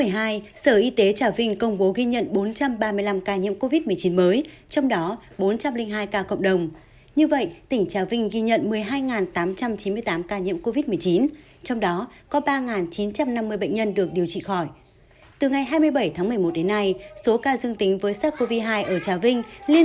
hãy đăng ký kênh để ủng hộ kênh của chúng mình nhé